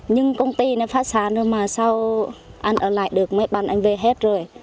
nhưng công ty nó phát sản rồi mà sao ăn ở lại được mấy bàn anh về hết rồi